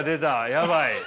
やばい。